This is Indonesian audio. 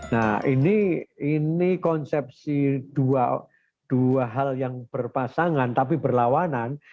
nah ini konsepsi dua hal yang berpasangan tapi berlawanan